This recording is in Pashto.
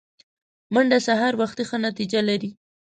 منډه سهار وختي ښه نتیجه لري